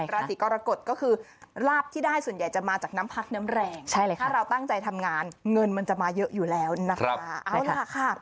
ราศีกรกฎก็คือลาบที่ได้ส่วนใหญ่จะมาจากน้ำพักน้ำแรงถ้าเราตั้งใจทำงานเงินมันจะมาเยอะอยู่แล้วนะคะ